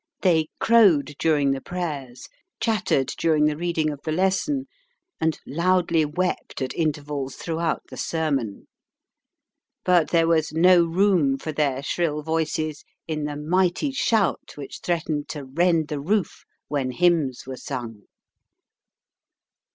They crowed during the prayers, chattered during the reading of the lesson, and loudly wept at intervals throughout the sermon. But there was no room for their shrill voices in the mighty shout which threatened to rend the roof when hymns were sung.